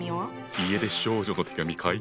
家出少女の手紙かい。